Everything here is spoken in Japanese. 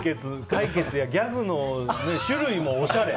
解決やギャグの種類もおしゃれ。